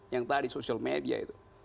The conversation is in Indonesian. yang tadi social media itu